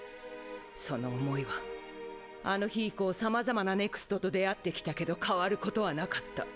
その思いはあの日以降さまざまなＮＥＸＴと出会ってきたけど変わることはなかった。